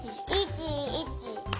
１１！